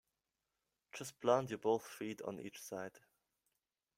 Just plant your both feet on each side.